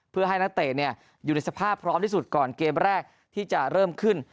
เพื่อให้นักเตะอยู่ในสภาพพร้อมที่สุดก่อนเกมแรกที่จะเริ่มขึ้น